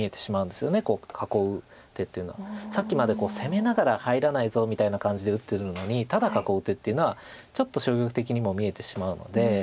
さっきまで「攻めながら入れないぞ」みたいな感じで打ってるのにただ囲う手っていうのはちょっと消極的にも見えてしまうので。